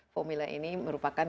formula ini merupakan